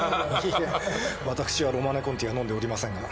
いや私は「ロマネ・コンティ」は飲んでおりませんが。